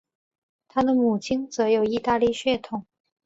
他的母亲则有意大利血统。